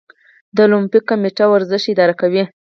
د المپیک کمیټه ورزش اداره کوي